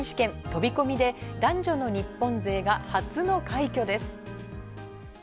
飛び込みで男女の日本勢が初の快挙です。